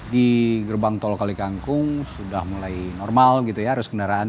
di gerbang tol kalikangkung sudah mulai normal gitu ya arus kendaraan